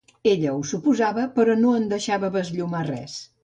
Ella ho suposava però no en deixava besllumar res.